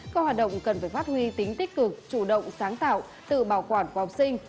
các hoạt động cần phải phát huy tính tích cực chủ động sáng tạo tự bảo quản của học sinh